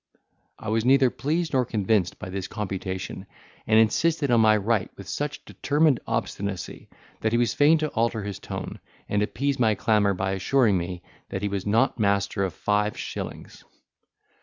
I was neither pleased nor convinced by this computation, and insisted on my right with such determined obstinacy, that he was fain to alter his ton, and appease my clamour by assuring me, that he was not master of five shillings.